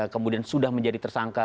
kemudian sudah menjadi tersangka